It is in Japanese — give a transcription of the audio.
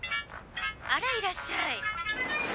あらいらっしゃい。